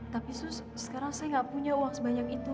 tapi sus sekarang saya gak punya uang sebanyak itu